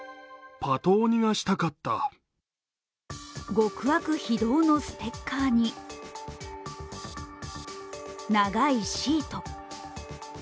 「極悪非道」のステッカーに長いシート。